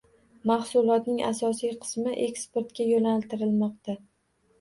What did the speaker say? Mahsulotning asosiy qismi eksportga yo‘naltirilmoqda